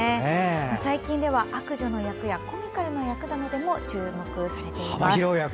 最近では悪女の役やコミカルな役でも注目されています。